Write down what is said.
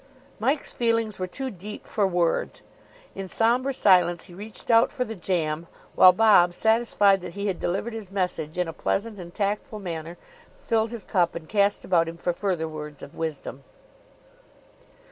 Mike's feelings were too deep for words. In sombre silence he reached out for the jam; while Bob, satisfied that he had delivered his message in a pleasant and tactful manner, filled his cup, and cast about him for further words of wisdom.